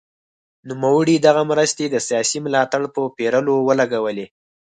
نوموړي دغه مرستې د سیاسي ملاتړ په پېرلو ولګولې.